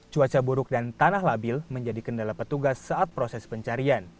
cuaca buruk dan tanah labil menjadi kendala petugas saat proses pencarian